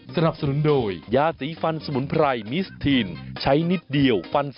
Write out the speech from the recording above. เป็นคำพูดที่เกลียดใจผู้หญิงมากนะอันนี้เอามาฟังค่ะ